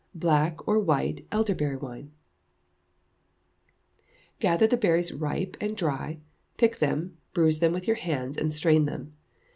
Black or White Elderberry Wine. Gather the berries ripe and dry, pick them, bruise them with your hands, and strain them.